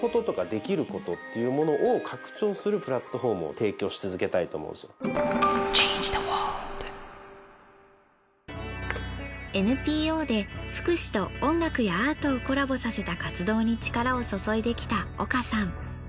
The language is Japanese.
考案したのはＮＰＯで福祉と音楽やアートをコラボさせた活動に力を注いできた岡さん。